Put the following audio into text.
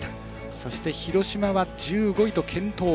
そして広島は１５位と健闘。